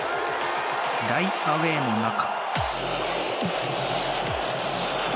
大アウェーの中。